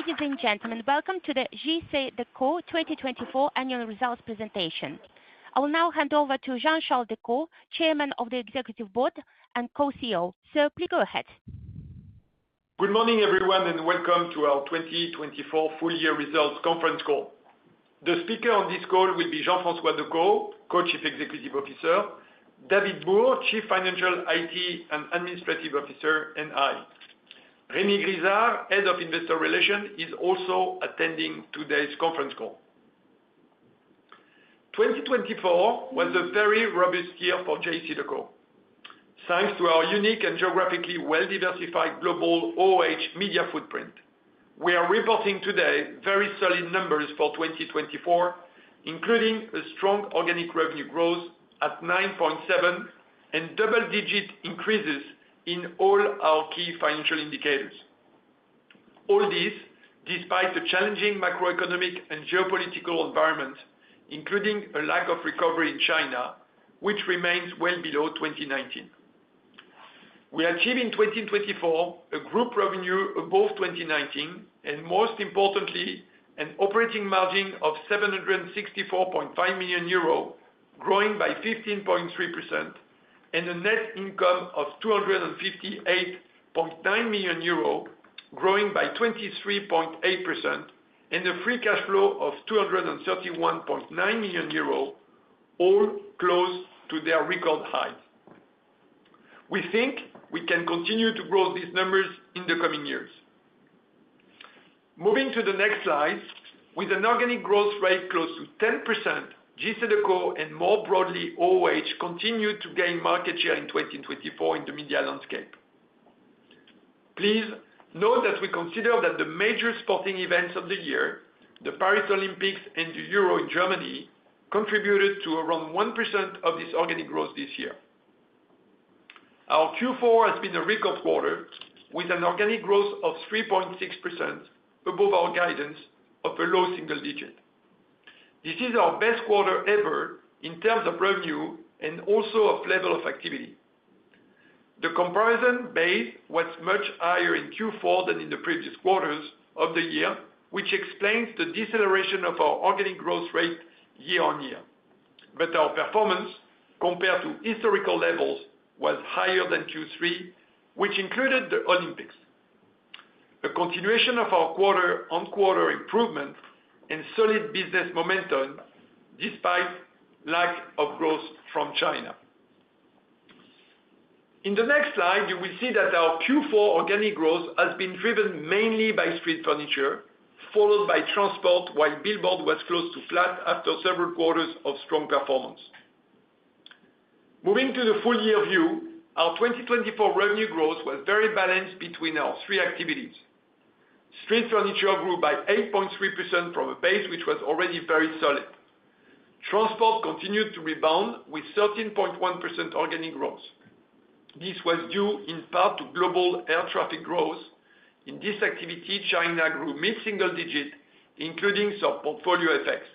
Ladies and gentlemen, welcome to the JCDecaux 2024 annual results presentation. I will now hand over to Jean-Charles Decaux, Chairman of the Executive Board and Co-CEO. Sir, please go ahead. Good morning, everyone, and welcome to our 2024 full-year results conference call. The speaker on this call will be Jean-François Decaux, Co-Chief Executive Officer, David Bourg, Chief Financial IT and Administrative Officer, and I. Rémi Grisard, Head of Investor Relations, is also attending today's conference call. 2024 was a very robust year for JCDecaux, thanks to our unique and geographically well-diversified global OOH media footprint. We are reporting today very solid numbers for 2024, including a strong organic revenue growth at 9.7% and double-digit increases in all our key financial indicators. All this, despite the challenging macroeconomic and geopolitical environment, including a lack of recovery in China, which remains well below 2019. We achieved in 2024 a group revenue above 2019, and most importantly, an operating margin of 764.5 million euros, growing by 15.3%, and a net income of 258.9 million euros, growing by 23.8%, and a free cash flow of 231.9 million euros, all close to their record highs. We think we can continue to grow these numbers in the coming years. Moving to the next slide, with an organic growth rate close to 10%, JCDecaux, and more broadly, OOH, continue to gain market share in 2024 in the media landscape. Please note that we consider that the major sporting events of the year, the Paris Olympics and the Euro in Germany, contributed to around 1% of this organic growth this year. Our Q4 has been a record quarter, with an organic growth of 3.6% above our guidance of a low single digit. This is our best quarter ever in terms of revenue and also of level of activity. The comparison base was much higher in Q4 than in the previous quarters of the year, which explains the deceleration of our organic growth rate year on year. But our performance, compared to historical levels, was higher than Q3, which included the Olympics. A continuation of our quarter-on-quarter improvement and solid business momentum despite lack of growth from China. In the next slide, you will see that our Q4 organic growth has been driven mainly by Street Furniture, followed by Transport, while Billboard was close to flat after several quarters of strong performance. Moving to the full-year view, our 2024 revenue growth was very balanced between our three activities. Street Furniture grew by 8.3% from a base which was already very solid. Transport continued to rebound with 13.1% organic growth. This was due in part to global air traffic growth. In this activity, China grew mid-single digit, including some portfolio effects.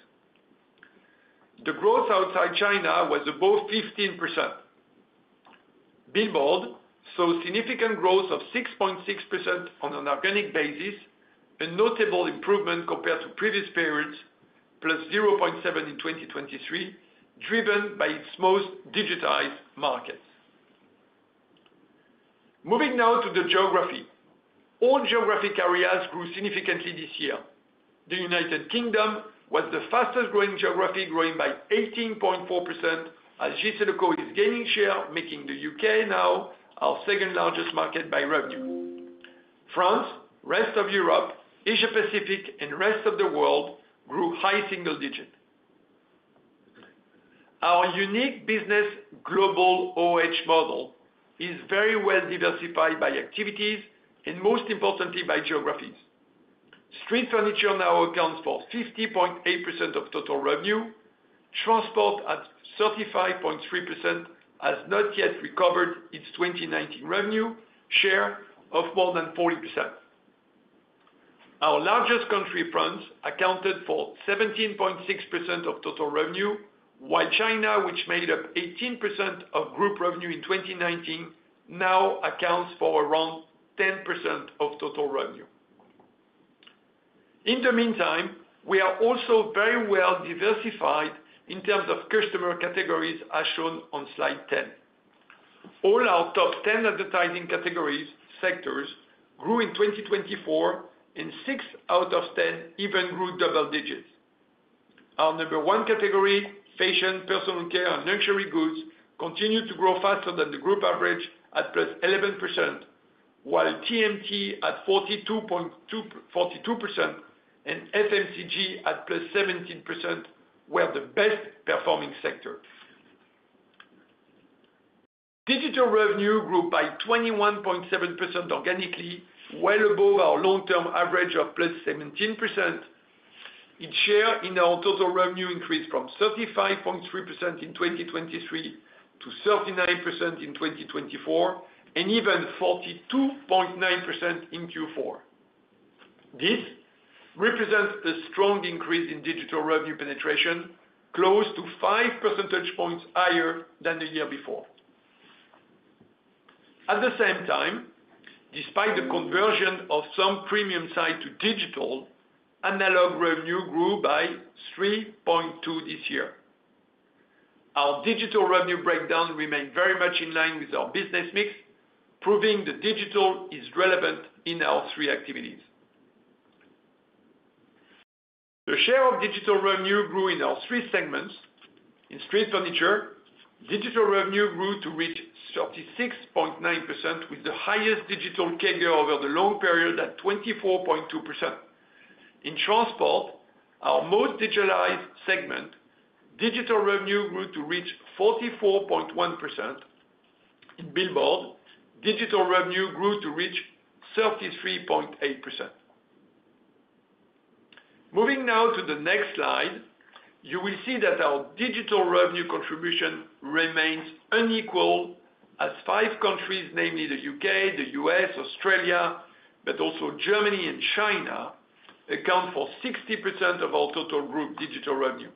The growth outside China was above 15%. Billboard saw significant growth of 6.6% on an organic basis, a notable improvement compared to previous periods, plus 0.7% in 2023, driven by its most digitized markets. Moving now to the geography. All geographic areas grew significantly this year. The United Kingdom was the fastest-growing geography, growing by 18.4%, as JCDecaux is gaining share, making the U.K. now our second-largest market by revenue. France, the rest of Europe, Asia-Pacific, and the rest of the world grew high single digit. Our unique business global OOH model is very well diversified by activities and, most importantly, by geographies. Street Furniture now accounts for 50.8% of total revenue. Transport at 35.3% has not yet recovered its 2019 revenue share of more than 40%. Our largest country, France, accounted for 17.6% of total revenue, while China, which made up 18% of group revenue in 2019, now accounts for around 10% of total revenue. In the meantime, we are also very well diversified in terms of customer categories, as shown on slide 10. All our top 10 advertising categories sectors grew in 2024, and six out of 10 even grew double digits. Our number one category, fashion, personal care, and luxury goods, continued to grow faster than the group average at plus 11%, while TMT at 42.42% and FMCG at plus 17% were the best-performing sectors. Digital revenue grew by 21.7% organically, well above our long-term average of plus 17%. Its share in our total revenue increased from 35.3% in 2023 to 39% in 2024, and even 42.9% in Q4. This represents a strong increase in digital revenue penetration, close to 5 percentage points higher than the year before. At the same time, despite the conversion of some premium side to digital, analog revenue grew by 3.2% this year. Our digital revenue breakdown remained very much in line with our business mix, proving that digital is relevant in our three activities. The share of digital revenue grew in our three segments. In Street Furniture, digital revenue grew to reach 36.9%, with the highest digital figure over the long period at 24.2%. In Transport, our most digitalized segment, digital revenue grew to reach 44.1%. In Billboard, digital revenue grew to reach 33.8%. Moving now to the next slide, you will see that our digital revenue contribution remains unequal, as five countries, namely the U.K., the U.S., Australia, but also Germany and China, account for 60% of our total group digital revenue.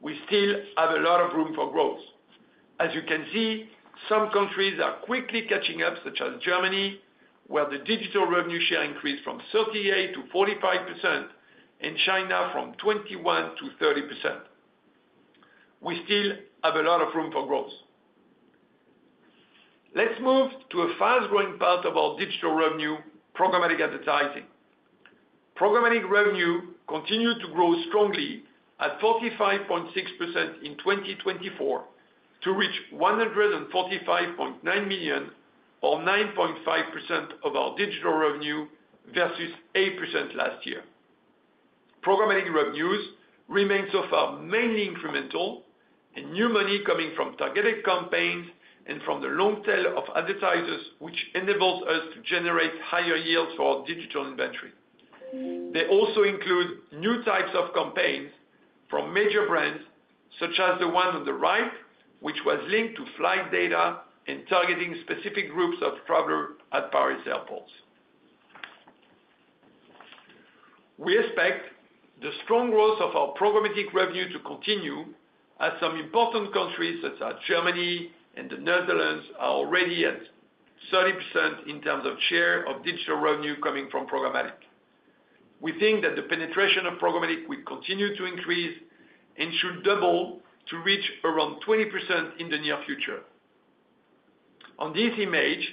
We still have a lot of room for growth. As you can see, some countries are quickly catching up, such as Germany, where the digital revenue share increased from 38% to 45%, and China from 21% to 30%. We still have a lot of room for growth. Let's move to a fast-growing part of our digital revenue, programmatic advertising. Programmatic revenue continued to grow strongly at 45.6% in 2024 to reach 145.9 million, or 9.5% of our digital revenue versus 8% last year. Programmatic revenues remain so far mainly incremental, and new money coming from targeted campaigns and from the long tail of advertisers, which enables us to generate higher yields for our digital inventory. They also include new types of campaigns from major brands, such as the one on the right, which was linked to flight data and targeting specific groups of travelers at Paris Airports. We expect the strong growth of our programmatic revenue to continue, as some important countries, such as Germany and the Netherlands, are already at 30% in terms of share of digital revenue coming from programmatic. We think that the penetration of programmatic will continue to increase and should double to reach around 20% in the near future. On this image,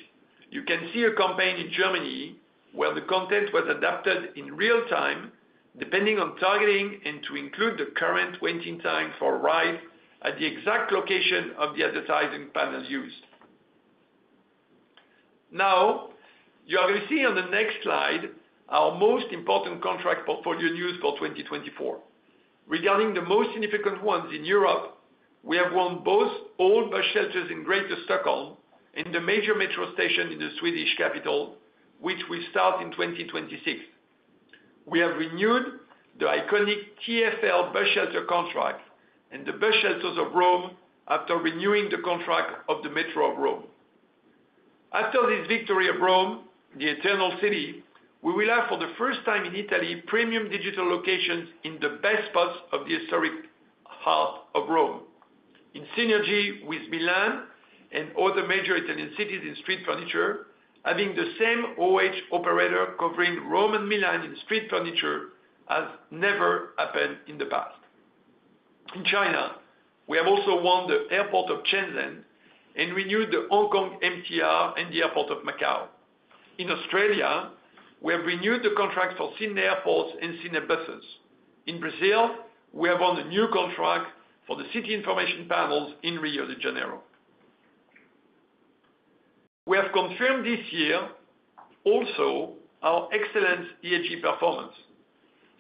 you can see a campaign in Germany where the content was adapted in real time, depending on targeting and to include the current waiting time for arrival at the exact location of the advertising panel used. Now, you are going to see on the next slide our most important contract portfolio news for 2024. Regarding the most significant ones in Europe, we have won both old bus shelters in Greater Stockholm and the major metro station in the Swedish capital, which will start in 2026. We have renewed the iconic TfL bus shelter contract and the bus shelters of Rome after renewing the contract of the Metro of Rome. After this victory of Rome, the Eternal City, we will have, for the first time in Italy, premium digital locations in the best spots of the historic heart of Rome, in synergy with Milan and other major Italian cities in street furniture, having the same OOH operator covering Rome and Milan in street furniture as never happened in the past. In China, we have also won the airport of Shenzhen and renewed the Hong Kong MTR and the airport of Macau. In Australia, we have renewed the contract for Sydney Airport and Sydney Buses. In Brazil, we have won a new contract for the city information panels in Rio de Janeiro. We have confirmed this year also our excellent ESG performance.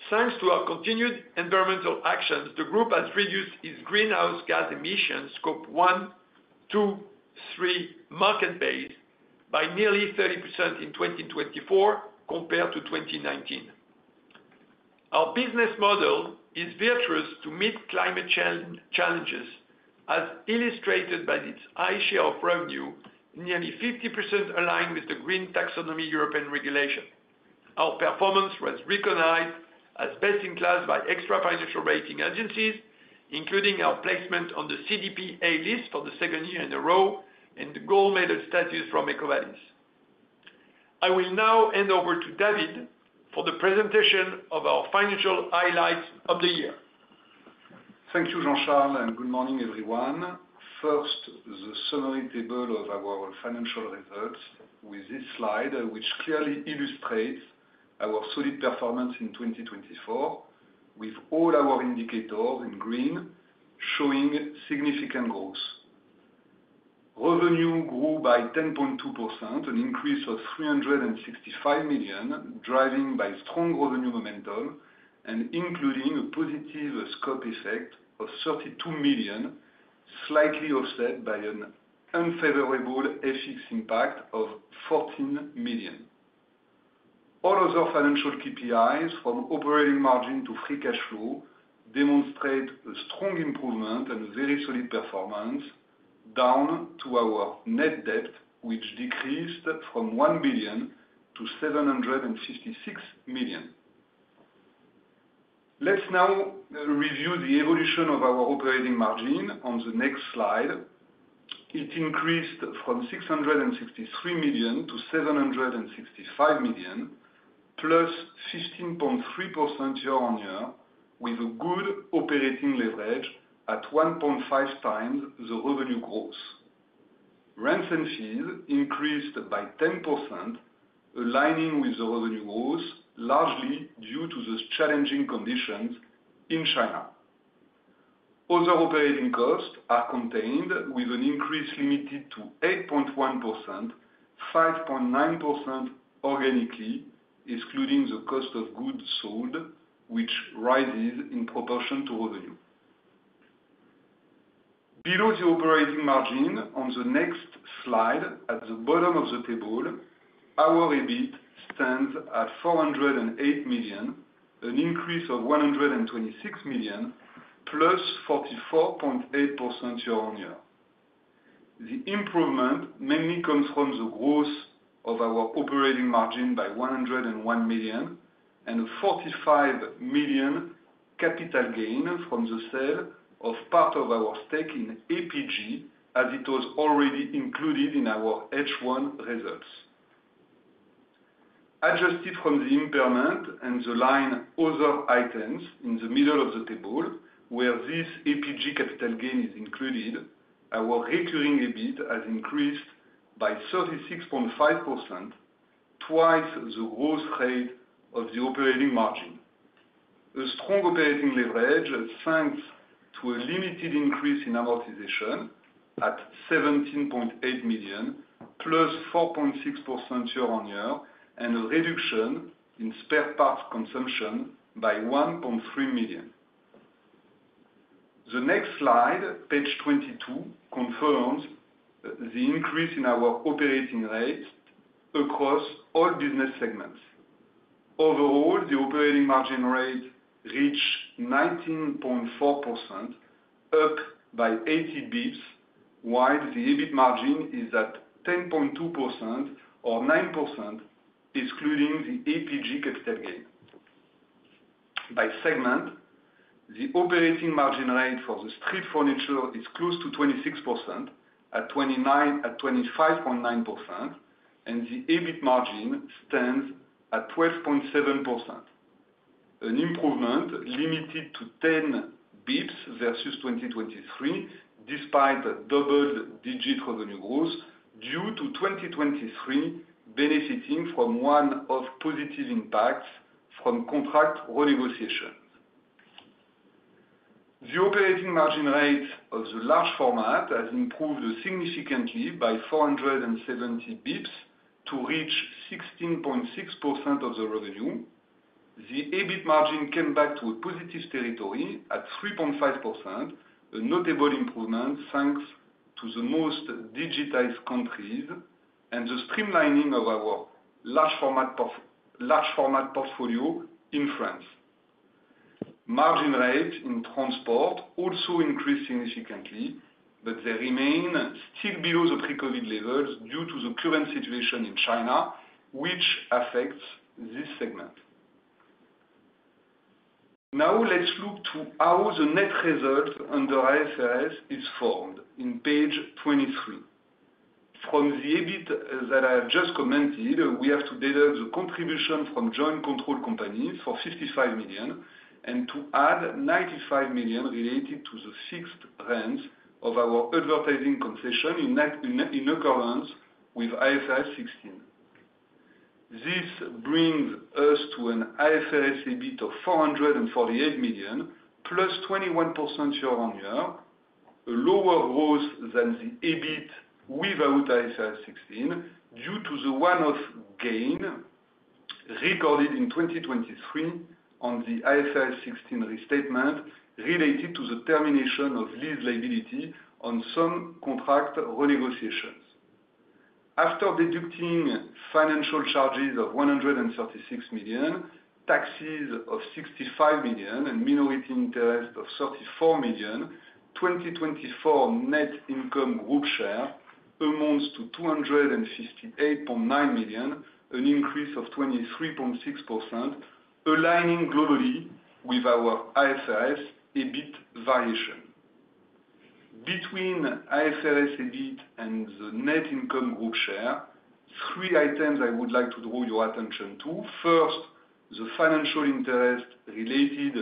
Thanks to our continued environmental actions, the group has reduced its greenhouse gas emissions Scope 1, 2, 3 market-based by nearly 30% in 2024 compared to 2019. Our business model is virtuous to meet climate challenges, as illustrated by its high share of revenue, nearly 50% aligned with the Green Taxonomy European regulation. Our performance was recognized as best in class by extra-financial rating agencies, including our placement on the CDP A-list for the second year in a row and the gold-medal status from EcoVadis. I will now hand over to David for the presentation of our financial highlights of the year. Thank you, Jean-Charles, and good morning, everyone. First, the summary table of our financial results with this slide, which clearly illustrates our solid performance in 2024, with all our indicators in green showing significant growth. Revenue grew by 10.2%, an increase of 365 million, driven by strong revenue momentum and including a positive scope effect of 32 million, slightly offset by an unfavorable FX impact of 14 million. All other financial KPIs, from operating margin to free cash flow, demonstrate a strong improvement and very solid performance down to our net debt, which decreased from 1 billion to 756 million. Let's now review the evolution of our operating margin on the next slide. It increased from 663 million to 765 million, plus 15.3% year on year, with a good operating leverage at 1.5 times the revenue growth. Rents and fees increased by 10%, aligning with the revenue growth, largely due to the challenging conditions in China. Other operating costs are contained, with an increase limited to 8.1%, 5.9% organically, excluding the cost of goods sold, which rises in proportion to revenue. Below the operating margin, on the next slide, at the bottom of the table, our EBIT stands at 408 million, an increase of 126 million, plus 44.8% year on year. The improvement mainly comes from the growth of our operating margin by 101 million and a 45 million capital gain from the sale of part of our stake in APG, as it was already included in our H1 results. Adjusted from the impairment and the line other items in the middle of the table, where this APG capital gain is included, our recurring EBIT has increased by 36.5%, twice the growth rate of the operating margin. A strong operating leverage, thanks to a limited increase in amortization at 17.8 million, plus 4.6% year on year, and a reduction in spare parts consumption by 1.3 million. The next slide, page 22, confirms the increase in our operating rates across all business segments. Overall, the operating margin rate reached 19.4%, up by 80 basis points, while the EBIT margin is at 10.2% or 9%, excluding the APG capital gain. By segment, the operating margin rate for the street furniture is close to 26%, at 29%, at 25.9%, and the EBIT margin stands at 12.7%, an improvement limited to 10 basis points versus 2023, despite a double-digit revenue growth due to 2023 benefiting from one of positive impacts from contract renegotiations. The operating margin rate of the large format has improved significantly by 470 basis points to reach 16.6% of the revenue. The EBIT margin came back to a positive territory at 3.5%, a notable improvement thanks to the most digitized countries and the streamlining of our large format portfolio in France. Margin rates in transport also increased significantly, but they remain still below the pre-COVID levels due to the current situation in China, which affects this segment. Now, let's look at how the net result under IFRS is formed in page 23. From the EBIT that I have just commented, we have to deduct the contribution from joint control companies for 55 million and to add 95 million related to the fixed rents of our advertising concession in accordance with IFRS 16. This brings us to an IFRS EBIT of 448 million, plus 21% year on year, a lower growth than the EBIT without IFRS 16 due to the one-off gain recorded in 2023 on the IFRS 16 restatement related to the termination of lease liability on some contract renegotiations. After deducting financial charges of 136 million, taxes of 65 million, and minority interest of 34 million, 2024 net income group share amounts to 258.9 million, an increase of 23.6%, aligning globally with our IFRS EBIT variation. Between IFRS EBIT and the net income group share, three items I would like to draw your attention to. First, the financial interest related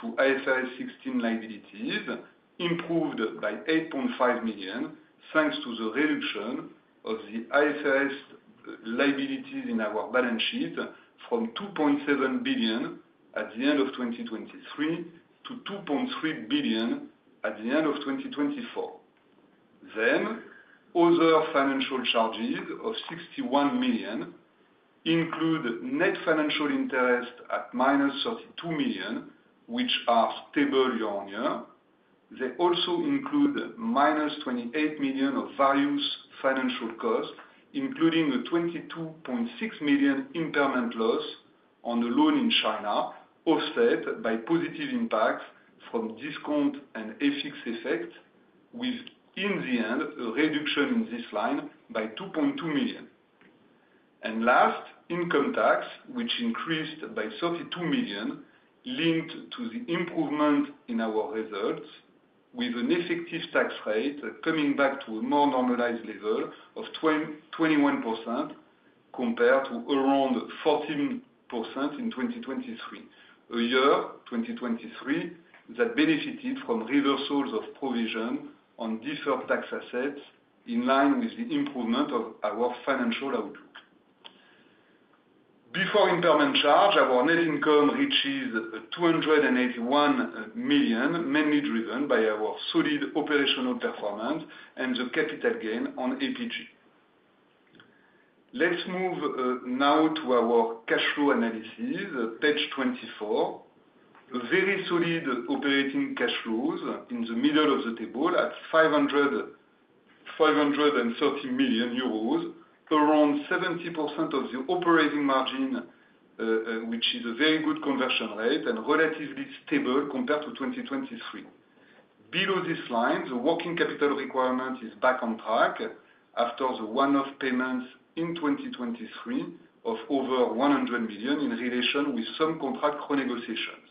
to IFRS 16 liabilities improved by 8.5 million thanks to the reduction of the IFRS liabilities in our balance sheet from 2.7 billion at the end of 2023 to 2.3 billion at the end of 2024. Then, other financial charges of 61 million include net financial interest at minus 32 million, which are stable year on year. They also include minus 28 million of various financial costs, including a 22.6 million impairment loss on a loan in China offset by positive impacts from discount and FX effects, with, in the end, a reduction in this line by 2.2 million. And last, income tax, which increased by 32 million, linked to the improvement in our results, with an effective tax rate coming back to a more normalized level of 21% compared to around 14% in 2023, a year, 2023, that benefited from reversals of provision on deferred tax assets in line with the improvement of our financial outlook. Before impairment charge, our net income reaches 281 million, mainly driven by our solid operational performance and the capital gain on APG. Let's move now to our cash flow analysis, page 24. Very solid operating cash flows in the middle of the table at 530 million euros, around 70% of the operating margin, which is a very good conversion rate and relatively stable compared to 2023. Below this line, the working capital requirement is back on track after the one-off payments in 2023 of over 100 million in relation with some contract renegotiations.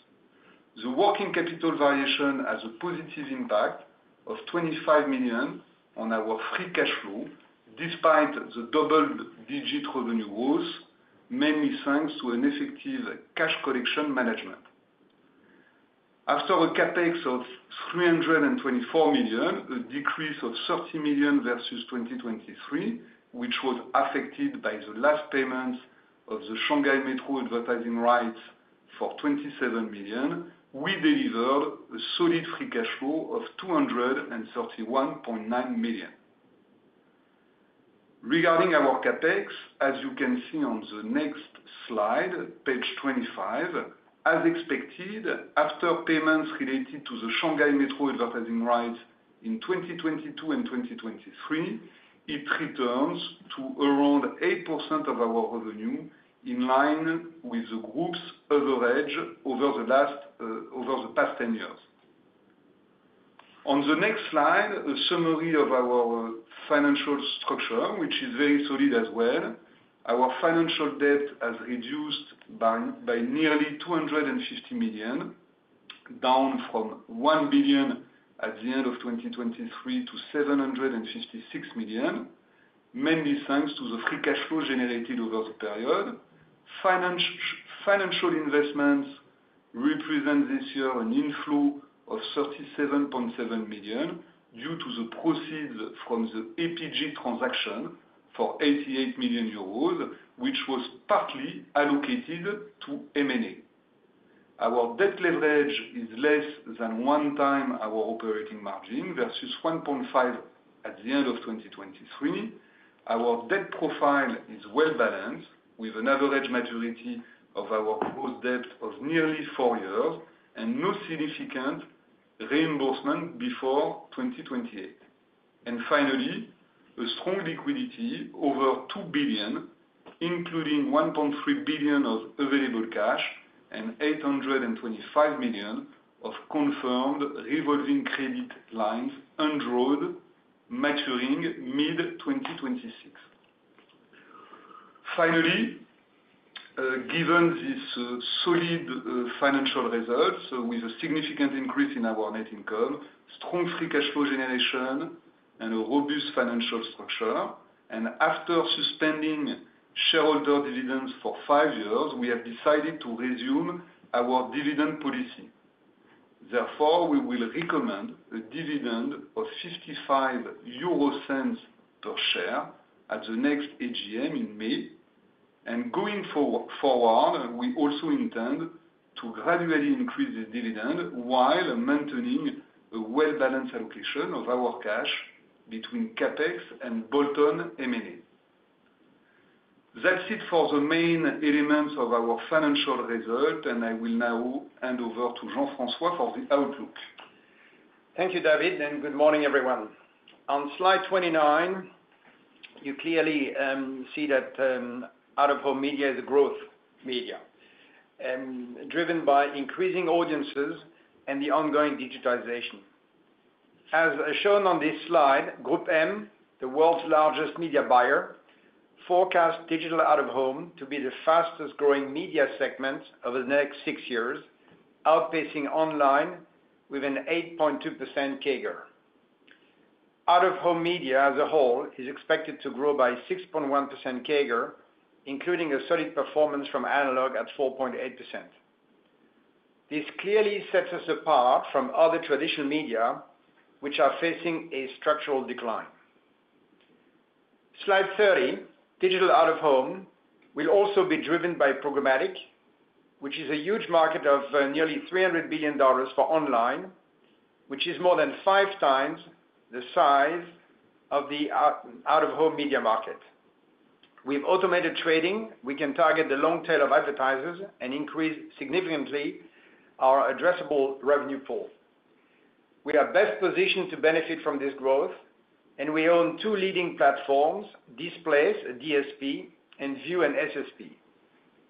The working capital variation has a positive impact of 25 million on our free cash flow, despite the double-digit revenue growth, mainly thanks to an effective cash collection management. After a Capex of 324 million, a decrease of 30 million versus 2023, which was affected by the last payments of the Shanghai Metro advertising rights for 27 million, we delivered a solid free cash flow of 231.9 million. Regarding our CapEx, as you can see on the next slide, page 25, as expected, after payments related to the Shanghai Metro advertising rights in 2022 and 2023, it returns to around 8% of our revenue in line with the group's average over the past 10 years. On the next slide, a summary of our financial structure, which is very solid as well. Our financial debt has reduced by nearly 250 million, down from one billion at the end of 2023 to 756 million, mainly thanks to the free cash flow generated over the period. Financial investments represent this year an inflow of 37.7 million due to the proceeds from the APG transaction for 88 million euros, which was partly allocated to M&A. Our debt leverage is less than one time our operating margin versus 1.5 at the end of 2023. Our debt profile is well balanced, with an average maturity of our gross debt of nearly four years and no significant reimbursement before 2028. And finally, a strong liquidity over 2 billion, including 1.3 billion of available cash and 825 million of confirmed revolving credit lines undrawn, maturing mid-2026. Finally, given these solid financial results with a significant increase in our net income, strong free cash flow generation, and a robust financial structure, and after suspending shareholder dividends for five years, we have decided to resume our dividend policy. Therefore, we will recommend a dividend of 0.55 per share at the next AGM in May. And going forward, we also intend to gradually increase this dividend while maintaining a well-balanced allocation of our cash between CapEx and bolt-on M&A. That's it for the main elements of our financial result, and I will now hand over to Jean-François for the outlook. Thank you, David, and good morning, everyone. On slide 29, you clearly see that out-of-home media is a growth media, driven by increasing audiences and the ongoing digitization. As shown on this slide, GroupM, the world's largest media buyer, forecasts digital out-of-home to be the fastest-growing media segment over the next six years, outpacing online with an 8.2% CAGR. Out-of-home media as a whole is expected to grow by 6.1% CAGR, including a solid performance from analog at 4.8%. This clearly sets us apart from other traditional media, which are facing a structural decline. Slide 30, digital out-of-home will also be driven by programmatic, which is a huge market of nearly $300 billion for online, which is more than five times the size of the out-of-home media market. With automated trading, we can target the long tail of advertisers and increase significantly our addressable revenue pool. We are best positioned to benefit from this growth, and we own two leading platforms, Displayce, DSP, and View and SSP.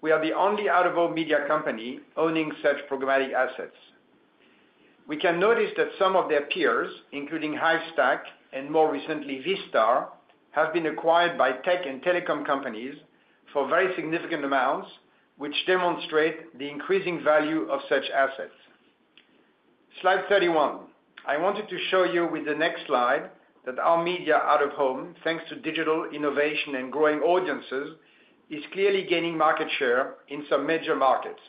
We are the only out-of-home media company owning such programmatic assets. We can notice that some of their peers, including Hivestack and, more recently, VSTAR, have been acquired by tech and telecom companies for very significant amounts, which demonstrate the increasing value of such assets. Slide 31. I wanted to show you with the next slide that our out-of-home media, thanks to digital innovation and growing audiences, is clearly gaining market share in some major markets.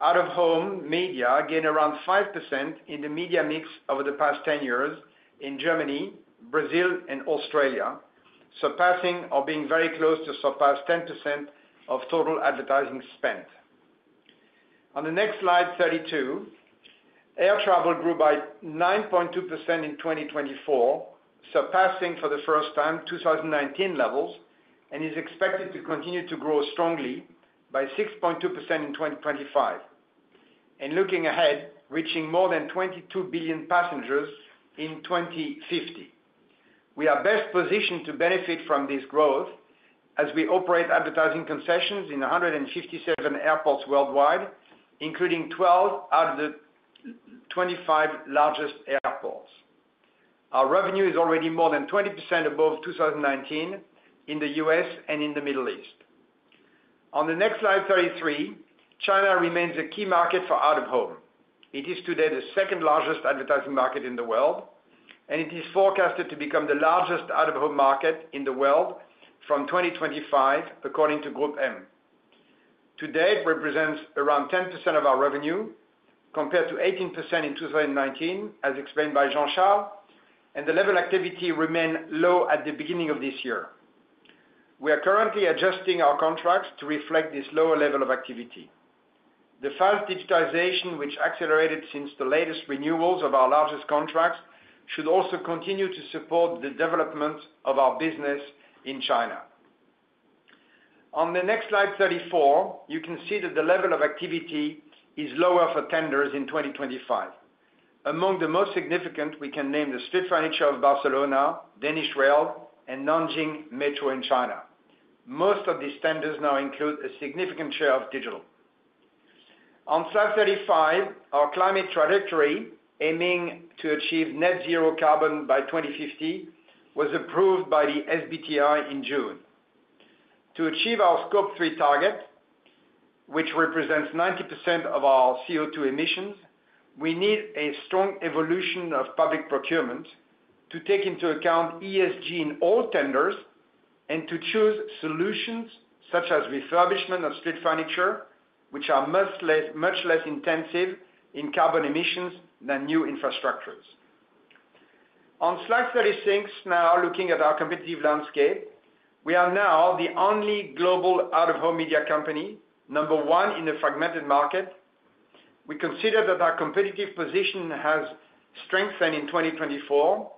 Out-of-home media gained around 5% in the media mix over the past 10 years in Germany, Brazil, and Australia, surpassing or being very close to surpassing 10% of total advertising spend. On the next slide, 32, air travel grew by 9.2% in 2024, surpassing for the first time 2019 levels, and is expected to continue to grow strongly by 6.2% in 2025, and looking ahead, reaching more than 22 billion passengers in 2050. We are best positioned to benefit from this growth as we operate advertising concessions in 157 airports worldwide, including 12 out of the 25 largest airports. Our revenue is already more than 20% above 2019 in the U.S. and in the Middle East. On the next slide, 33, China remains a key market for out-of-home. It is today the second largest advertising market in the world, and it is forecasted to become the largest out-of-home market in the world from 2025, according to Group M. Today, it represents around 10% of our revenue compared to 18% in 2019, as explained by Jean-Charles, and the level of activity remained low at the beginning of this year. We are currently adjusting our contracts to reflect this lower level of activity. The fast digitization, which accelerated since the latest renewals of our largest contracts, should also continue to support the development of our business in China. On the next slide, 34, you can see that the level of activity is lower for tenders in 2025. Among the most significant, we can name the Street Furniture of Barcelona, Danish Rail, and Nanjing Metro in China. Most of these tenders now include a significant share of digital. On slide 35, our climate trajectory, aiming to achieve net zero carbon by 2050, was approved by the SBTi in June. To achieve our Scope 3 target, which represents 90% of our CO2 emissions, we need a strong evolution of public procurement to take into account ESG in all tenders and to choose solutions such as refurbishment of street furniture, which are much less intensive in carbon emissions than new infrastructures. On slide 36, now looking at our competitive landscape, we are now the only global out-of-home media company, number one in the fragmented market. We consider that our competitive position has strengthened in 2024,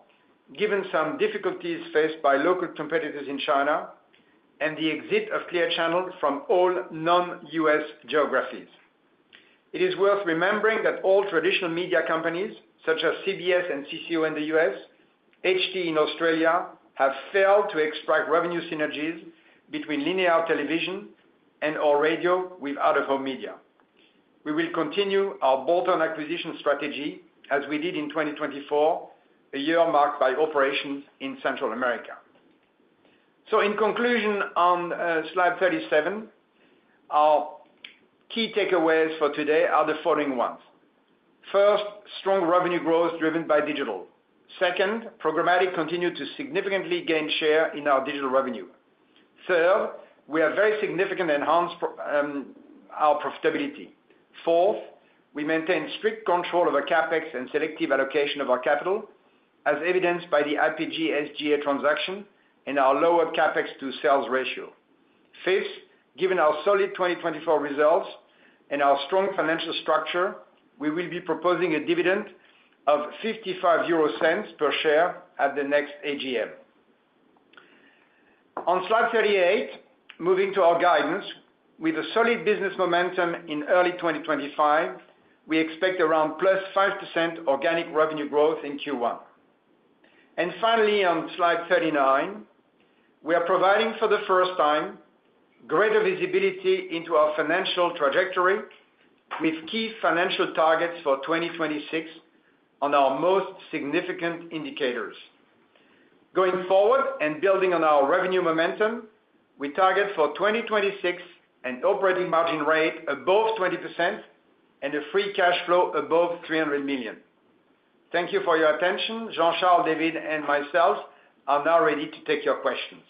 given some difficulties faced by local competitors in China and the exit of Clear Channel from all non-U.S. geographies. It is worth remembering that all traditional media companies, such as CBS and CCO in the U.S., HT&E in Australia, have failed to extract revenue synergies between linear television and/or radio with out-of-home media. We will continue our bolt-on acquisition strategy as we did in 2024, a year marked by operations in Central America. So, in conclusion, on slide 37, our key takeaways for today are the following ones. First, strong revenue growth driven by digital. Second, programmatic continued to significantly gain share in our digital revenue. Third, we have very significantly enhanced our profitability. Fourth, we maintain strict control of our CapEx and selective allocation of our capital, as evidenced by the APG SGA transaction and our lower CapEx-to-sales ratio. Fifth, given our solid 2024 results and our strong financial structure, we will be proposing a dividend of 0.55 per share at the next AGM. On slide 38, moving to our guidance, with a solid business momentum in early 2025, we expect around +5% organic revenue growth in Q1. And finally, on slide 39, we are providing for the first time greater visibility into our financial trajectory with key financial targets for 2026 on our most significant indicators. Going forward and building on our revenue momentum, we target for 2026 an operating margin rate above 20% and a free cash flow above 300 million. Thank you for your attention. Jean-Charles, David, and myself are now ready to take your questions.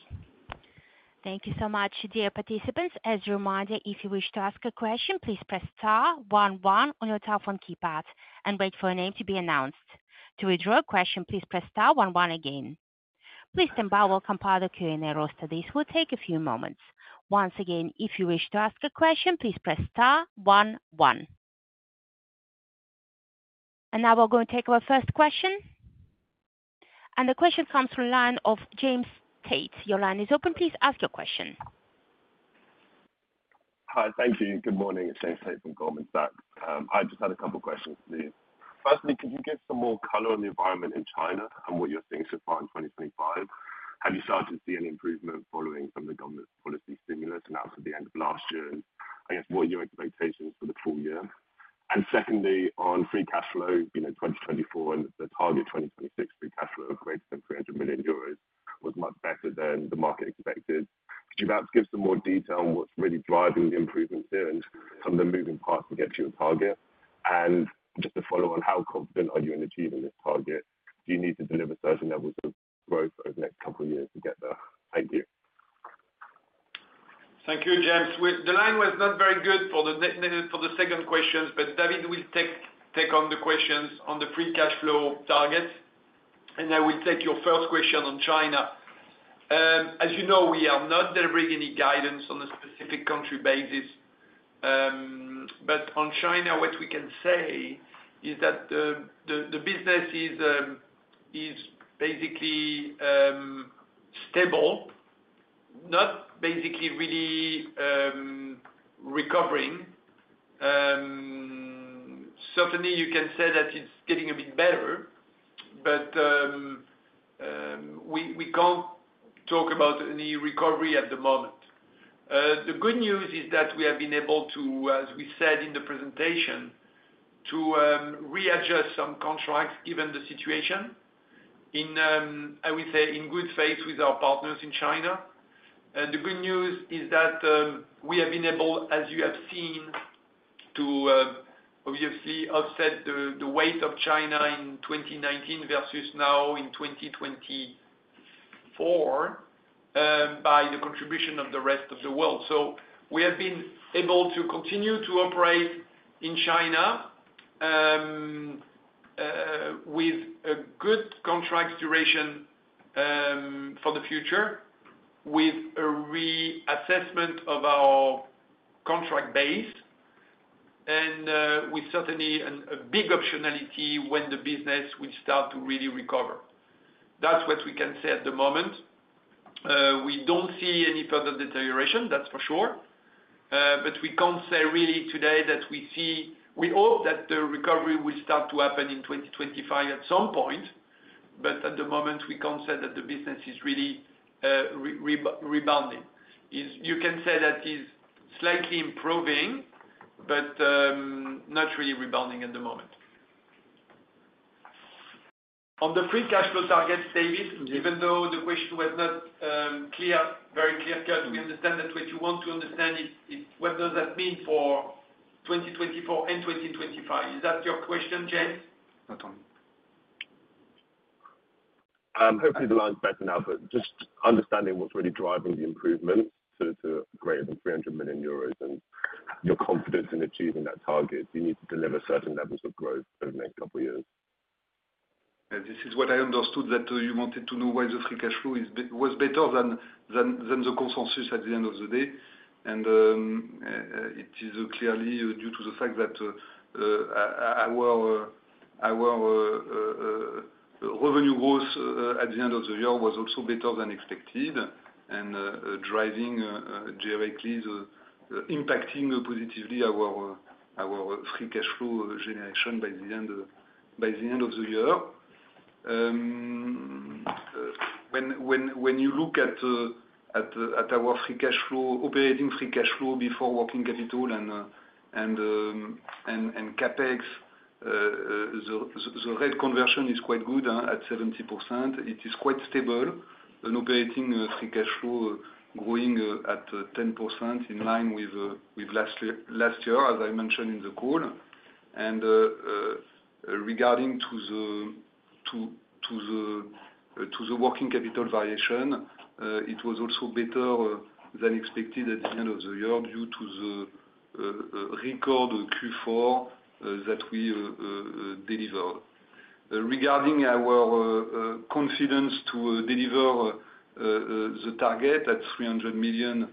Thank you so much, dear participants. As a reminder, if you wish to ask a question, please press *11 on your telephone keypad and wait for your name to be announced. To withdraw a question, please press *11 again. Please stand by while we'll compile the Q&A roster. This will take a few moments. Once again, if you wish to ask a question, please press *11. And now we're going to take our first question. The question comes from the line of James Tate. Your line is open. Please ask your question. Hi, thank you. Good morning. It's James Tate from Goldman Sachs. I just had a couple of questions for you. Firstly, could you give some more color on the environment in China and what you're seeing so far in 2025? Have you started to see any improvement following some of the government's policy stimulus announced at the end of last year? And I guess, what are your expectations for the full year? And secondly, on free cash flow, 2024 and the target 2026 free cash flow of greater than €300 million was much better than the market expected. Could you perhaps give some more detail on what's really driving the improvements here and some of the moving parts to get to your target? And just to follow on, how confident are you in achieving this target? Do you need to deliver certain levels of growth over the next couple of years to get there? Thank you. Thank you, James. The line was not very good for the second question, but David will take on the questions on the free cash flow target. And I will take your first question on China. As you know, we are not delivering any guidance on a specific country basis. But on China, what we can say is that the business is basically stable, not basically really recovering. Certainly, you can say that it's getting a bit better, but we can't talk about any recovery at the moment. The good news is that we have been able to, as we said in the presentation, to readjust some contracts given the situation. I would say in good faith with our partners in China, and the good news is that we have been able, as you have seen, to obviously offset the weight of China in 2019 versus now in 2024 by the contribution of the rest of the world, so we have been able to continue to operate in China with a good contract duration for the future, with a reassessment of our contract base, and with certainly a big optionality when the business will start to really recover. That's what we can say at the moment. We don't see any further deterioration, that's for sure, but we can't say really today that we hope that the recovery will start to happen in 2025 at some point, but at the moment, we can't say that the business is really rebounding. You can say that it's slightly improving, but not really rebounding at the moment. On the free cash flow target, David, even though the question was not very clear-cut, we understand that what you want to understand is what does that mean for 2024 and 2025. Is that your question, James? Not on me. Hopefully, the line's better now, but just understanding what's really driving the improvement to greater than €300 million and your confidence in achieving that target, you need to deliver certain levels of growth over the next couple of years. This is what I understood that you wanted to know why the free cash flow was better than the consensus at the end of the day. It is clearly due to the fact that our revenue growth at the end of the year was also better than expected and driving directly, impacting positively our free cash flow generation by the end of the year. When you look at our free cash flow, operating free cash flow before working capital and Capex, the rate conversion is quite good at 70%. It is quite stable. An operating free cash flow growing at 10% in line with last year, as I mentioned in the call. And regarding to the working capital variation, it was also better than expected at the end of the year due to the record Q4 that we delivered. Regarding our confidence to deliver the target at € 300 million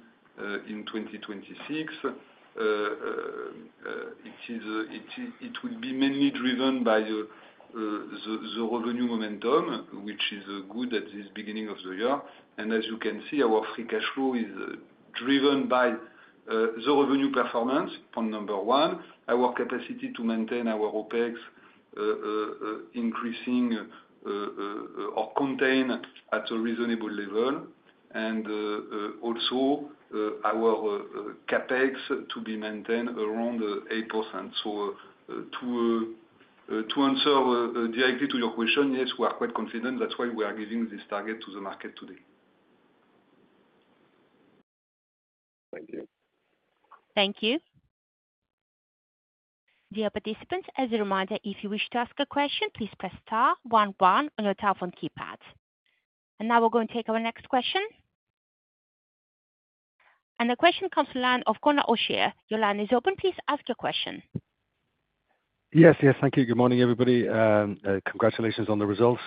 in 2026, it would be mainly driven by the revenue momentum, which is good at this beginning of the year. And as you can see, our free cash flow is driven by the revenue performance, point number one. Our capacity to maintain our OpEx increasing or contain at a reasonable level. And also, our CapEx to be maintained around 8%. So to answer directly to your question, yes, we are quite confident. That's why we are giving this target to the market today. Thank you. Thank you. Dear participants, as a reminder, if you wish to ask a question, please press *11 on your telephone keypad. And now we're going to take our next question. And the question comes from the line of Conor O'Shea. Your line is open. Please ask your question. Yes, yes. Thank you. Good morning, everybody. Congratulations on the results.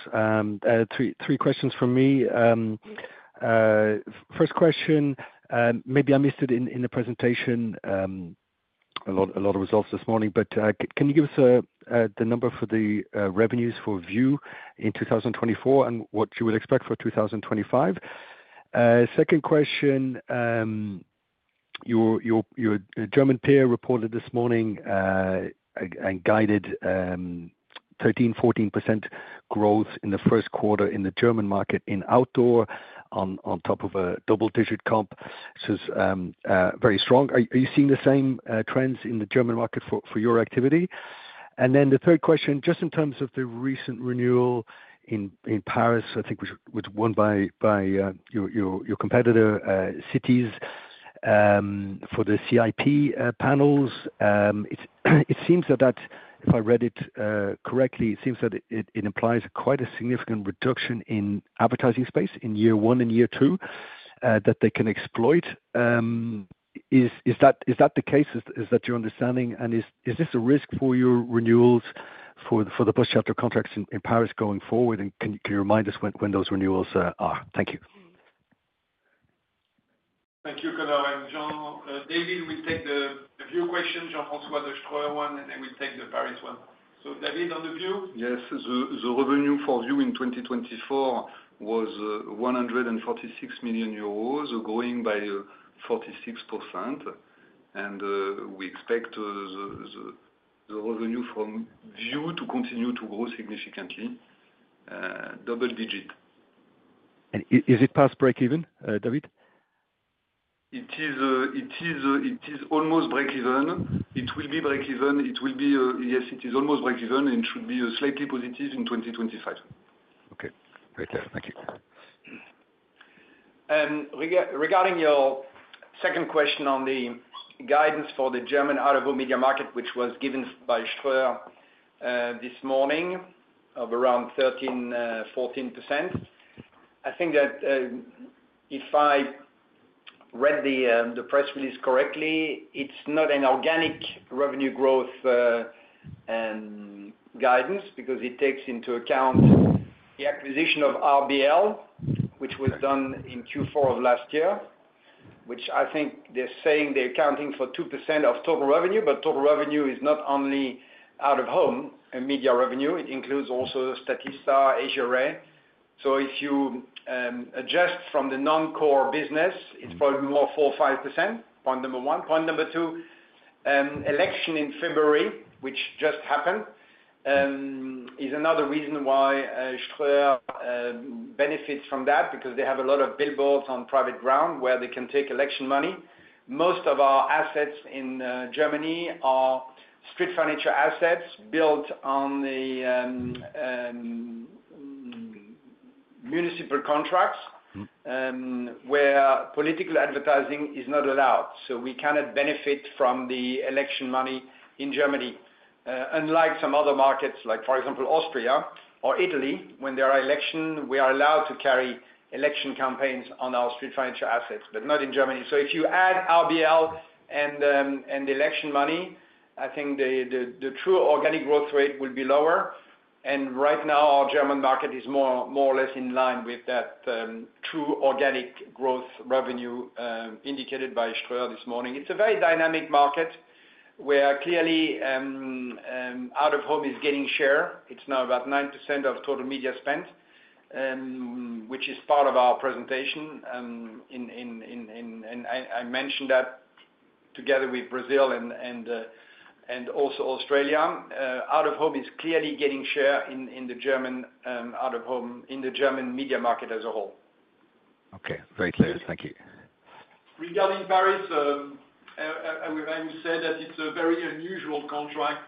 Three questions from me. First question, maybe I missed it in the presentation, a lot of results this morning, but can you give us the number for the revenues for View in 2024 and what you would expect for 2025? Second question, your German peer reported this morning and guided 13%-14% growth in the first quarter in the German market in outdoor on top of a double-digit comp. This is very strong. Are you seeing the same trends in the German market for your activity? And then the third question, just in terms of the recent renewal in Paris, I think was won by your competitor, Cityz, for the CIP panels. It seems that, if I read it correctly, it seems that it implies quite a significant reduction in advertising space in year one and year two that they can exploit. Is that the case, is that your understanding? Is this a risk for your renewals for the bus shuttle contracts in Paris going forward? And can you remind us when those renewals are? Thank you. Thank you, Conor and Jean-Jacques. David will take the View question, Jean-François Decaux one, and then we'll take the Paris one. David, on the View? Yes. The revenue for View in 2024 was 146 million euros, growing by 46%. We expect the revenue from View to continue to grow significantly, double-digit. Is it past break-even, David? It is almost break-even. It will be break-even. It will be, yes, it is almost break-even and should be slightly positive in 2025. Okay. Very clear. Thank you. Regarding your second question on the guidance for the German out-of-home media market, which was given by Ströer this morning of around 13%-14%, I think that if I read the press release correctly, it's not an organic revenue growth guidance because it takes into account the acquisition of RBL, which was done in Q4 of last year, which I think they're saying they're accounting for 2% of total revenue, but total revenue is not only out-of-home media revenue. It includes also Statista, AsiaRay. So if you adjust from the non-core business, it's probably more 4% or 5%, point number one. Point number two, election in February, which just happened, is another reason why Ströer benefits from that because they have a lot of billboards on private ground where they can take election money. Most of our assets in Germany are street furniture assets built on the municipal contracts where political advertising is not allowed. So we cannot benefit from the election money in Germany, unlike some other markets, like for example, Austria or Italy, when there are elections, we are allowed to carry election campaigns on our street furniture assets, but not in Germany. So if you add RBL and election money, I think the true organic growth rate will be lower. And right now, our German market is more or less in line with that true organic growth revenue indicated by Ströer this morning. It's a very dynamic market where clearly out-of-home is getting share. It's now about 9% of total media spent, which is part of our presentation. And I mentioned that together with Brazil and also Australia. Out-of-Home is clearly getting share in the German Out-of-Home, in the German media market as a whole. Okay. Very clear. Thank you. Regarding Paris, I would say that it's a very unusual contract,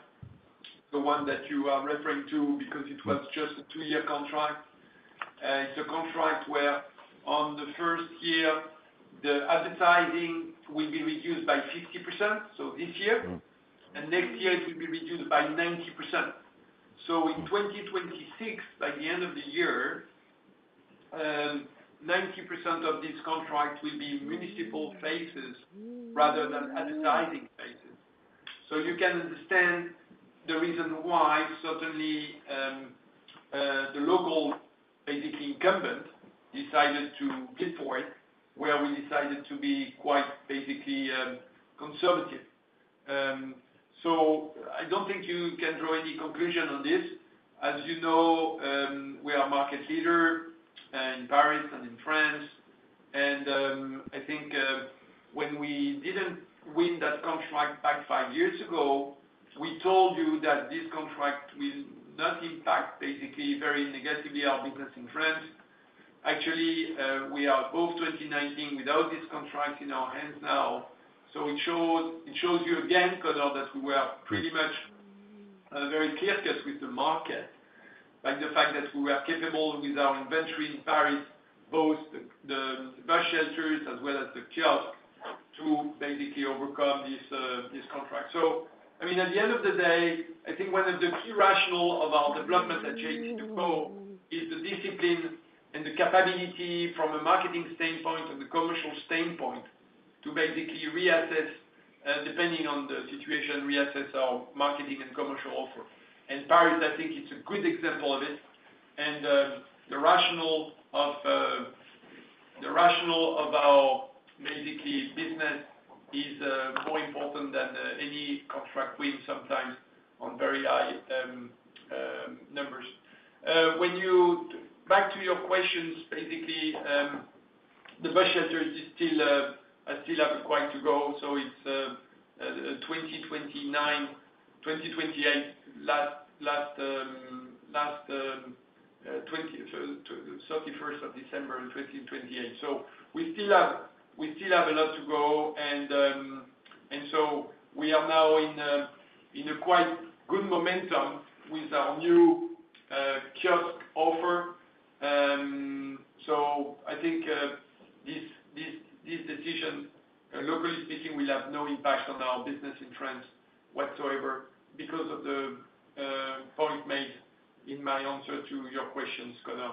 the one that you are referring to, because it was just a two-year contract. It's a contract where on the first year, the advertising will be reduced by 50%. So this year, and next year, it will be reduced by 90%. So in 2026, by the end of the year, 90% of this contract will be municipal faces rather than advertising faces. So you can understand the reason why certainly the local-based incumbent decided to be for it, where we decided to be quite basically conservative. So I don't think you can draw any conclusion on this. As you know, we are a market leader in Paris and in France. I think when we didn't win that contract back five years ago, we told you that this contract will not impact basically very negatively our business in France. Actually, we are back in 2019 without this contract in our hands now. So it shows you again, Conor, that we were pretty much very clear-cut with the market, like the fact that we were capable with our inventory in Paris, both the bus shelters as well as the kiosks, to basically overcome this contract. So, I mean, at the end of the day, I think one of the key rationales of our development at JCDecaux is the discipline and the capability from a marketing standpoint and the commercial standpoint to basically reassess, depending on the situation, reassess our marketing and commercial offer. Paris, I think, is a good example of it. The rationale of our basic business is more important than any contract win sometimes on very high numbers. Back to your questions, basically, the bus shelters still have quite a way to go. It is 2028, the 31st of December 2028. We still have a lot to go. We are now in quite good momentum with our new kiosk offer. I think this decision, locally speaking, will have no impact on our business in France whatsoever because of the point made in my answer to your questions, Conor.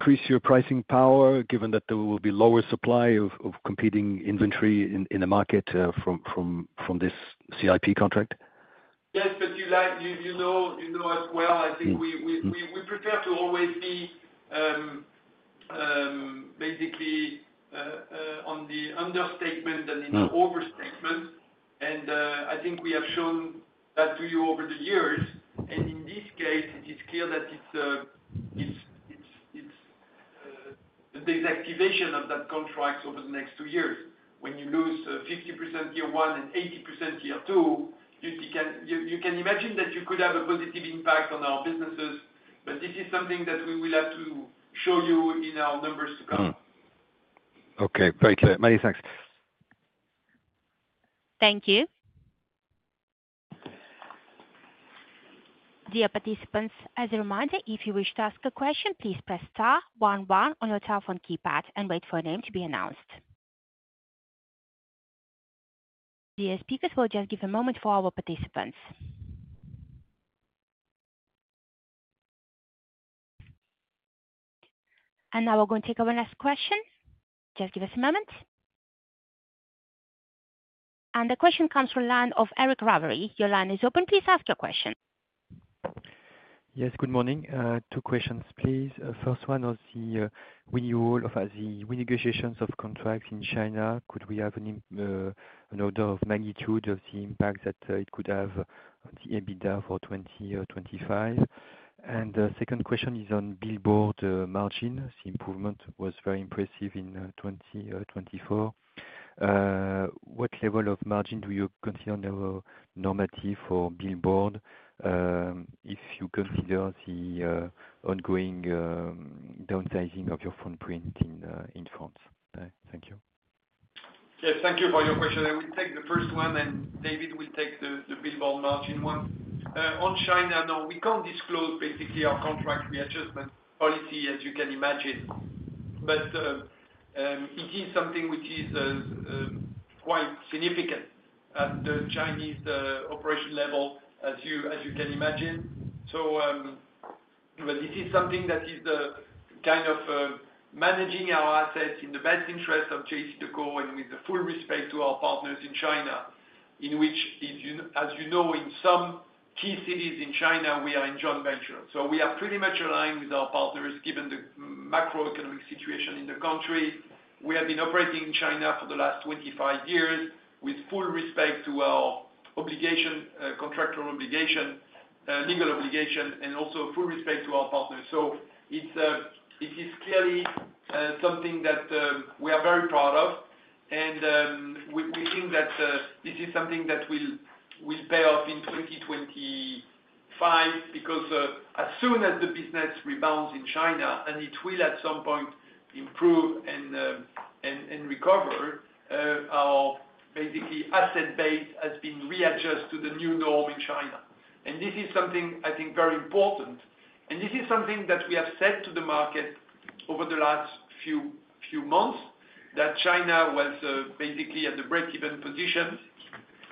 Increase your pricing power given that there will be lower supply of competing inventory in the market from this CIP contract? Yes, but you know as well, I think we prefer to always be basically on the understatement than in the overstatement. I think we have shown that to you over the years. And in this case, it is clear that it's the activation of that contract over the next two years. When you lose 50% year one and 80% year two, you can imagine that you could have a positive impact on our businesses, but this is something that we will have to show you in our numbers to come. Okay. Very clear. Many thanks. Thank you. Dear participants, as a reminder, if you wish to ask a question, please press *11 on your telephone keypad and wait for a name to be announced. Dear speakers, we'll just give a moment for our participants. And now we're going to take our last question. Just give us a moment. And the question comes from the line of Eric Ravary. Your line is open. Please ask your question. Yes. Good morning. Two questions, please. First one was the renewal of the renegotiations of contracts in China. Could we have an order of magnitude of the impact that it could have on EBITDA for 2025? And the second question is on billboard margin. The improvement was very impressive in 2024. What level of margin do you consider normative for billboard if you consider the ongoing downsizing of your footprint in France? Thank you. Yes.Thank you for your question. I will take the first one, and David will take the billboard margin one. On China, no. We can't disclose basically our contract readjustment policy, as you can imagine. But it is something which is quite significant at the Chinese operation level, as you can imagine. But this is something that is kind of managing our assets in the best interest of JCDecaux and with full respect to our partners in China, in which, as you know, in some key cities in China, we are in joint venture. So we are pretty much aligned with our partners given the macroeconomic situation in the country. We have been operating in China for the last 25 years with full respect to our contractual obligation, legal obligation, and also full respect to our partners. So it is clearly something that we are very proud of. And we think that this is something that will pay off in 2025 because as soon as the business rebounds in China, and it will at some point improve and recover, our basically asset base has been readjusted to the new norm in China. And this is something, I think, very important. And this is something that we have said to the market over the last few months, that China was basically at the break-even position.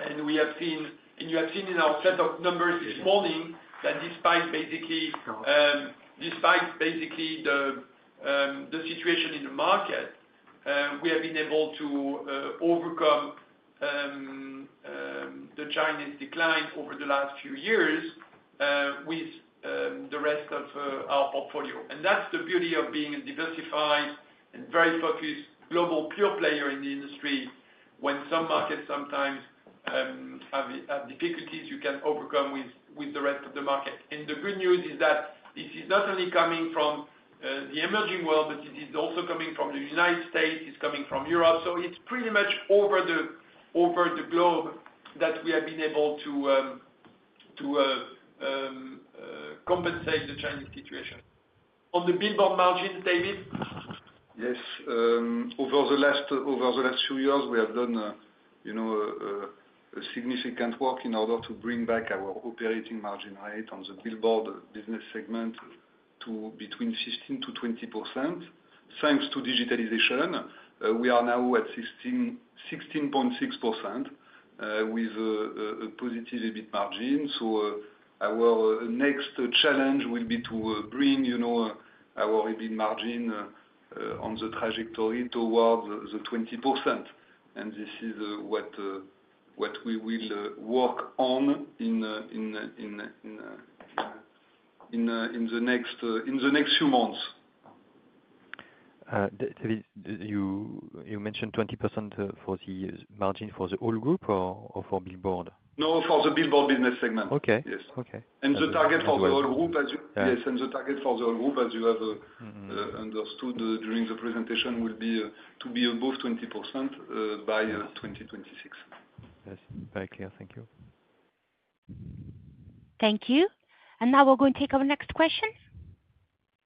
And we have seen, and you have seen in our set of numbers this morning that despite basically the situation in the market, we have been able to overcome the Chinese decline over the last few years with the rest of our portfolio. And that's the beauty of being a diversified and very focused global pure player in the industry when some markets sometimes have difficulties, you can overcome with the rest of the market. And the good news is that this is not only coming from the emerging world, but it is also coming from the United States. It's coming from Europe. So it's pretty much over the globe that we have been able to compensate the Chinese situation. On the billboard margins, David? Yes. Over the last few years, we have done significant work in order to bring back our operating margin rate on the billboard business segment to between 15%-20%. Thanks to digitalization, we are now at 16.6% with a positive EBIT margin. So our next challenge will be to bring our EBIT margin on the trajectory towards the 20%. And this is what we will work on in the next few months. David, you mentioned 20% for the margin for the whole group or for billboard? No, for the billboard business segment. Yes. And the target for the whole group, as you have understood during the presentation, will be to be above 20% by 2026. That's very clear. Thank you. Thank you. And now we're going to take our next question.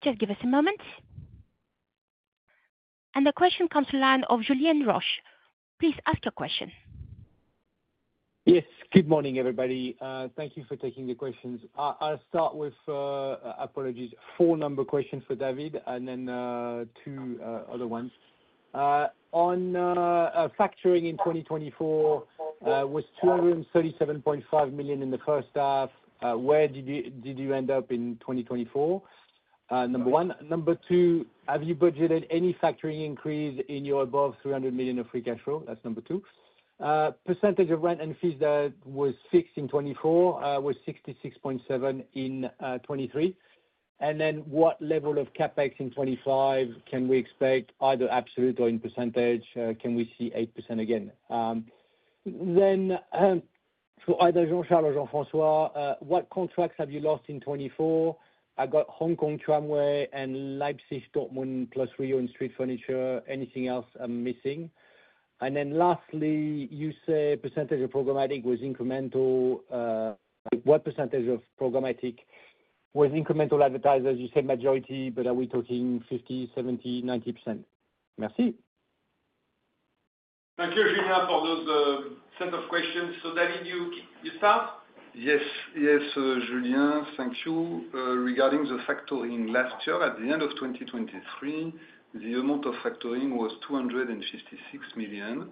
Just give us a moment. And the question comes from the line of Julien Roch. Please ask your question. Yes. Good morning, everybody. Thank you for taking the questions. I'll start with, apologies, four number questions for David and then two other ones. On factoring in 2024, it was 237.5 million in the first half. Where did you end up in 2024? Number one. Number two, have you budgeted any factoring increase in your above 300 million of free cash flow? That's number two. Percentage of rent and fees that was fixed in 2024 was 66.7% in 2023. And then what level of CapEx in 2025 can we expect, either absolute or in percentage? Can we see 8% again? Then for either Jean-Charles or Jean-François, what contracts have you lost in 2024? I got Hong Kong Tramway and Leipzig, Dortmund, plus Rio in street furniture. Anything else I'm missing? Then lastly, you say percentage of programmatic was incremental. What percentage of programmatic was incremental advertisers? You said majority, but are we talking 50, 70, 90%? Merci. Thank you, Julien, for those set of questions. So David, you start? Yes. Yes, Julien, thank you. Regarding the factoring last year, at the end of 2023, the amount of factoring was 256 million.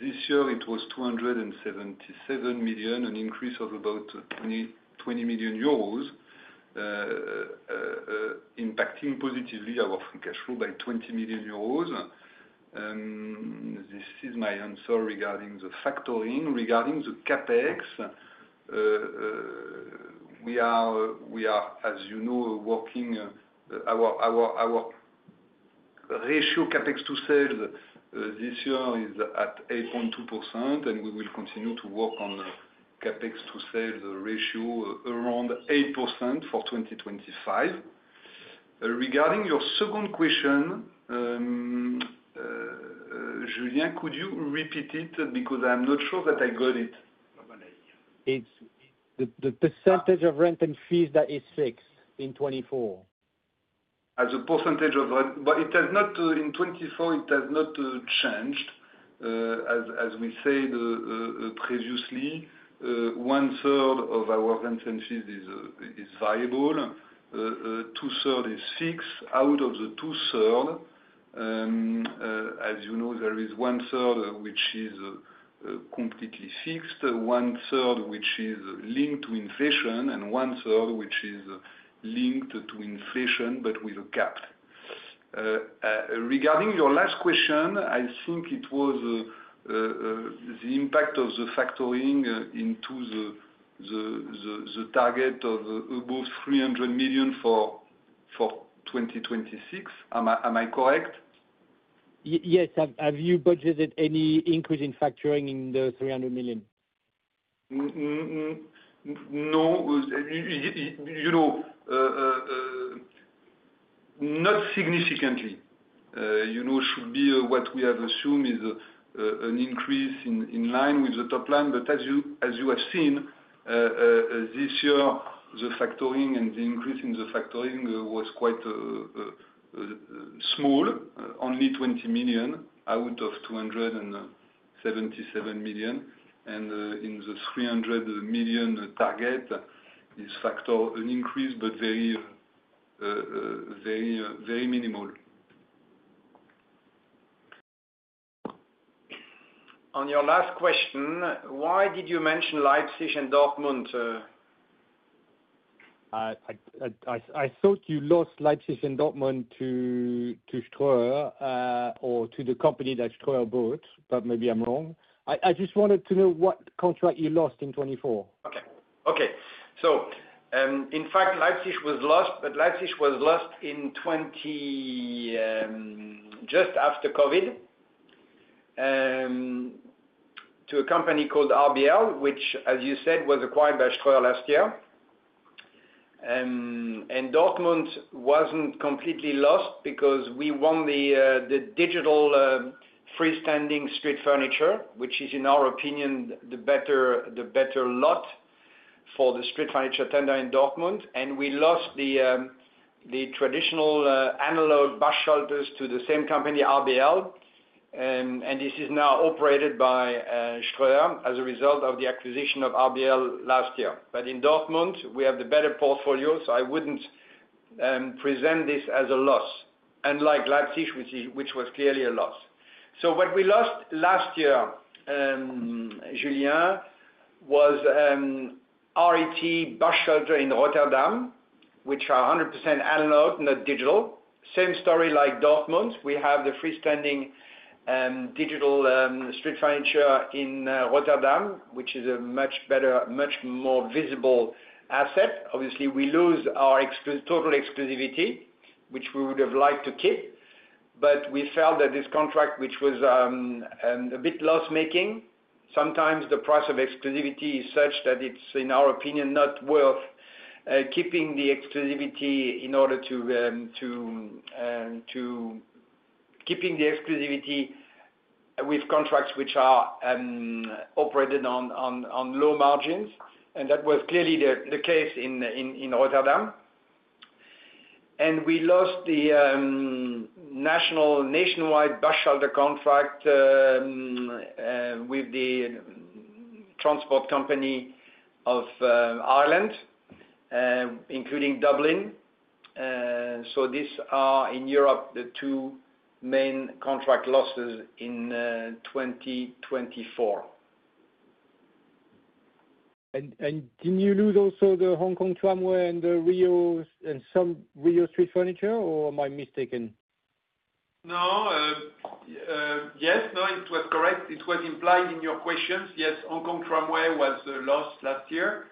This year, it was 277 million, an increase of about 20 million euros, impacting positively our free cash flow by 20 million euros. This is my answer regarding the factoring. Regarding the CapEx, we are, as you know, working. Our ratio CapEx to sales this year is at 8.2%, and we will continue to work on CapEx to sales ratio around 8% for 2025. Regarding your second question, Julien, could you repeat it because I'm not sure that I got it? It's the percentage of rent and fees that is fixed in 2024. As a percentage of rent, but it has not in 2024, it has not changed. As we said previously, one-third of our rent and fees is variable. Two-thirds is fixed. Out of the two-thirds, as you know, there is one-third which is completely fixed, one-third which is linked to inflation, and one-third which is linked to inflation, but with a cap. Regarding your last question, I think it was the impact of the factoring into the target of above 300 million for 2026. Am I correct? Yes.Have you budgeted any increase in factoring in the 300 million? No. Not significantly. It should be what we have assumed is an increase in line with the top line. But as you have seen, this year, the factoring and the increase in the factoring was quite small, only 20 million out of 277 million. And in the 300 million target, this factoring increase, but very minimal. On your last question, why did you mention Leipzig and Dortmund? I thought you lost Leipzig and Dortmund to Ströer or to the company that Ströer bought, but maybe I'm wrong. I just wanted to know what contract you lost in 2024. Okay. Okay. So in fact, Leipzig was lost, but Leipzig was lost just after COVID to a company called RBL, which, as you said, was acquired by Ströer last year. And Dortmund wasn't completely lost because we won the digital freestanding street furniture, which is, in our opinion, the better lot for the street furniture tender in Dortmund. And we lost the traditional analog bus shelters to the same company, RBL. This is now operated by Ströer as a result of the acquisition of RBL last year. In Dortmund, we have the better portfolio, so I wouldn't present this as a loss, unlike Leipzig, which was clearly a loss. What we lost last year, Julien, was RET bus shelter in Rotterdam, which are 100% analog, not digital. Same story like Dortmund. We have the freestanding digital street furniture in Rotterdam, which is a much more visible asset. Obviously, we lose our total exclusivity, which we would have liked to keep. We felt that this contract, which was a bit loss-making. Sometimes the price of exclusivity is such that it's, in our opinion, not worth keeping the exclusivity in order to keep the exclusivity with contracts which are operated on low margins. That was clearly the case in Rotterdam. We lost the nationwide bus shelter contract with the transport company of Ireland, including Dublin. So these are, in Europe, the two main contract losses in 2024. And didn't you lose also the Hong Kong Tramway and the Rio and some Rio street furniture, or am I mistaken? No. Yes. No, it was correct. It was implied in your questions. Yes, Hong Kong Tramway was lost last year.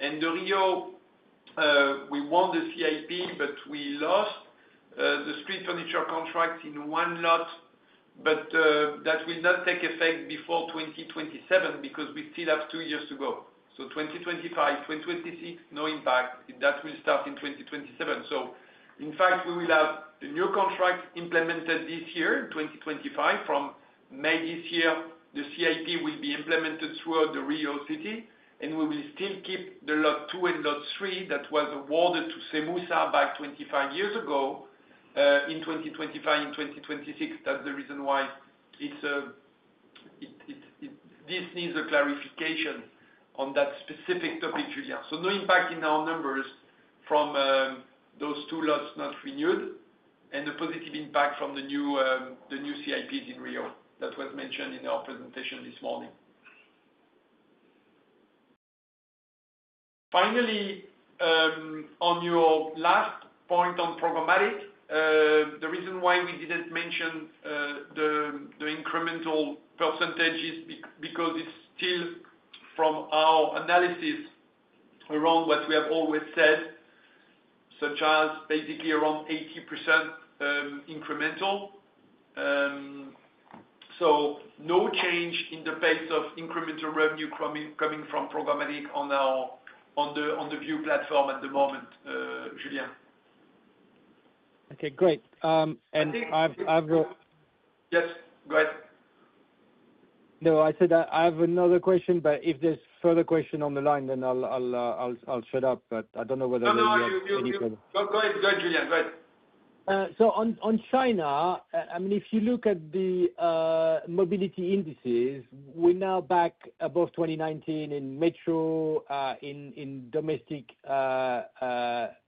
And the Rio, we won the CIP, but we lost the street furniture contract in one lot. But that will not take effect before 2027 because we still have two years to go. So 2025, 2026, no impact. That will start in 2027. So in fact, we will have a new contract implemented this year, 2025. From May this year, the CIP will be implemented throughout the Rio City. And we will still keep the lot two and lot three that was awarded to CEMUSA back 25 years ago in 2025, in 2026. That's the reason why this needs a clarification on that specific topic, Julien. So no impact in our numbers from those two lots not renewed and the positive impact from the new CIPs in Rio that was mentioned in our presentation this morning. Finally, on your last point on programmatic, the reason why we didn't mention the incremental percentage is because it's still, from our analysis around what we have always said, such as basically around 80% incremental. So no change in the pace of incremental revenue coming from programmatic on the VIEW platform at the moment, Julien. Okay. Great. And I have a - Yes. Go ahead. No, I said I have another question, but if there's further questions on the line, then I'll shut up. But I don't know whether. No, no, no. You're good. Go ahead. Go ahead, Julien. Go ahead. So on China, I mean, if you look at the mobility indices, we're now back above 2019 in metro, in domestic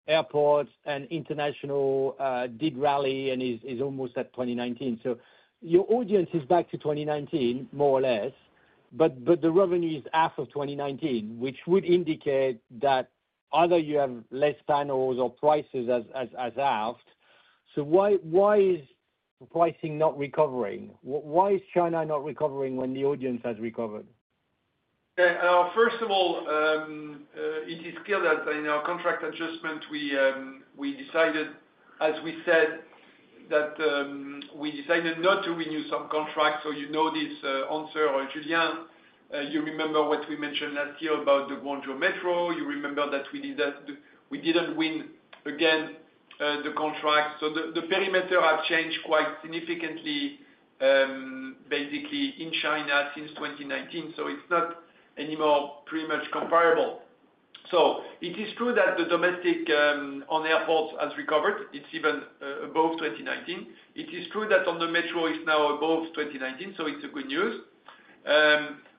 airports, and international did rally and is almost at 2019. So your audience is back to 2019, more or less, but the revenue is half of 2019, which would indicate that either you have less panels or prices as halved. So why is pricing not recovering? Why is China not recovering when the audience has recovered? First of all, it is clear that in our contract adjustment, we decided, as we said, that we decided not to renew some contracts. So you know this answer, Julien. You remember what we mentioned last year about the Guangzhou Metro. You remember that we didn't win again the contract, so the perimeter has changed quite significantly, basically, in China since 2019, so it's not anymore pretty much comparable. So it is true that the domestic on airports has recovered. It's even above 2019. It is true that on the metro, it's now above 2019, so it's good news.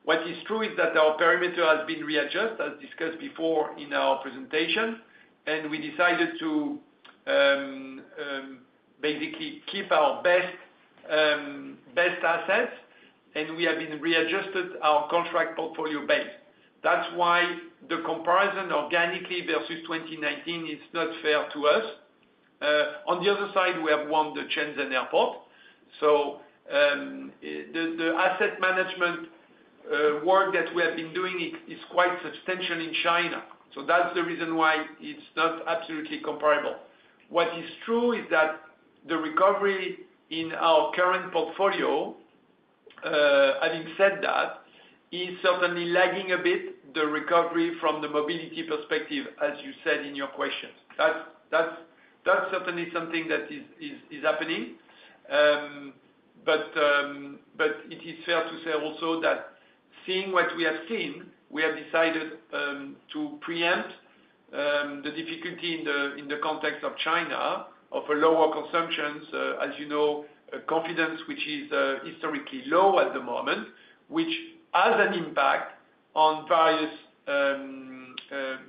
What is true is that our perimeter has been readjusted, as discussed before in our presentation, and we decided to basically keep our best assets, and we have been readjusted our contract portfolio base. That's why the comparison organically versus 2019 is not fair to us. On the other side, we have won the Shenzhen Airport, so the asset management work that we have been doing is quite substantial in China, so that's the reason why it's not absolutely comparable. What is true is that the recovery in our current portfolio, having said that, is certainly lagging a bit, the recovery from the mobility perspective, as you said in your questions. That's certainly something that is happening. But it is fair to say also that seeing what we have seen, we have decided to preempt the difficulty in the context of China of a lower consumption, as you know, confidence, which is historically low at the moment, which has an impact on various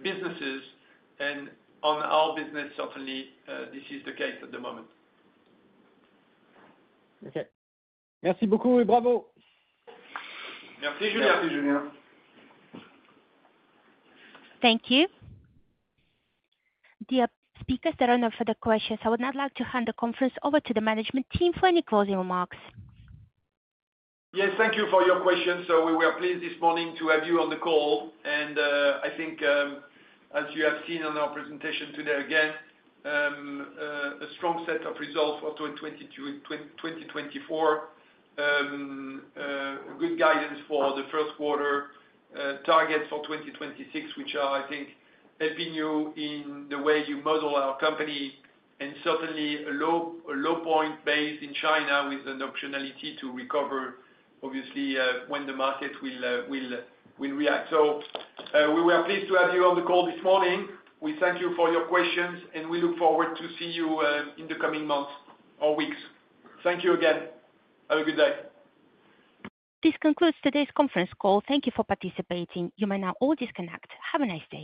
businesses and on our business, certainly, this is the case at the moment. Okay. Merci beaucoup. Bravo. Merci, Julien. Thank you, Julien. Thank you. The speakers that are on the further questions, I would now like to hand the conference over to the management team for any closing remarks. Yes. Thank you for your questions. So we were pleased this morning to have you on the call. I think, as you have seen on our presentation today again, a strong set of results for 2024, good guidance for the first quarter, targets for 2026, which are, I think, helping you in the way you model our company and certainly a low point base in China with an optionality to recover, obviously, when the market will react. We were pleased to have you on the call this morning. We thank you for your questions, and we look forward to seeing you in the coming months or weeks. Thank you again. Have a good day. This concludes today's conference call. Thank you for participating. You may now all disconnect. Have a nice day.